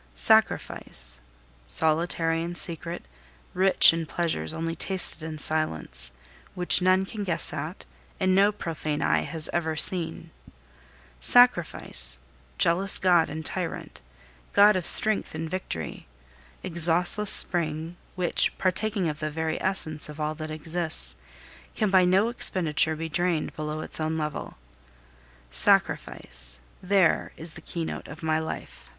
Sacrifice, solitary and secret, rich in pleasures only tasted in silence, which none can guess at, and no profane eye has ever seen; Sacrifice, jealous God and tyrant, God of strength and victory, exhaustless spring which, partaking of the very essence of all that exists, can by no expenditure be drained below its own level; Sacrifice, there is the keynote of my life.